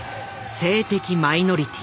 性的マイノリティー